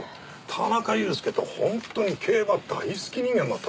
田中裕介って本当に競馬大好き人間だったんですね。